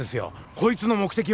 こいつの目的は。